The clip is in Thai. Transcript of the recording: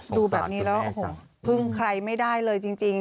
ดูแบบนี้แล้วโอ้โหพึ่งใครไม่ได้เลยจริง